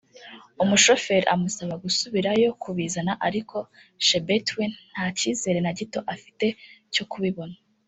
umushoferi amusaba gusubirayo kubizana ariko Chebet we nta cyizere na gito afite cyo kubibona